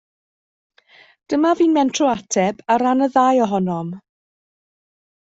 Dyma fi'n mentro ateb ar ran y ddau ohonom.